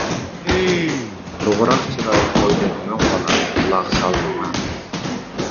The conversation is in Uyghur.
توغراق چىراي، قويدەك مۆڭ بالا، قۇلاق سال ماڭا!